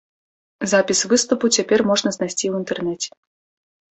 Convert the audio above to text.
Запіс выступу цяпер можна знайсці ў інтэрнэце.